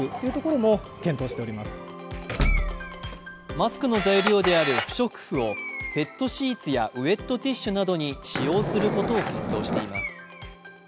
マスクの材料である不織布をペットシーツやウエットティッシュなどに使用することを検討しています。